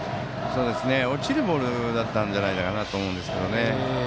落ちるボールだったんじゃないかと思うんですよね。